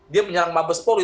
dia menyerang mabes polri